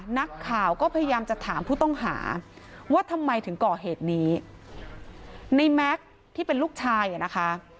นักข่าวก็พยายามจะถามผู้ต้องหาว่าทำไมถึงก่อเหตุนี้ในแม็กซ์ที่เป็นลูกชายอ่ะนะคะ